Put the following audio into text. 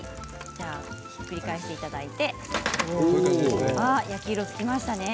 ひっくり返していただいて焼き色がつきましたね。